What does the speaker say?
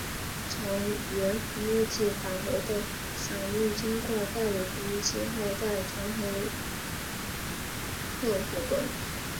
从源服务器返回的响应经过代理服务器后再传给客户端。